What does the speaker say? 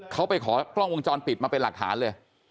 เขาไปขอกล้องวงจรปิดมาเป็นหลักฐานเลย